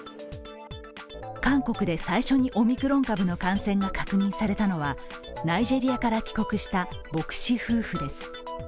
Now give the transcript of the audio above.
韓国で最初にオミクロン株の感染が確認されたのはナイジェリアから帰国した牧師夫婦です。